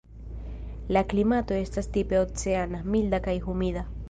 La klimato estas tipe oceana, milda kaj humida.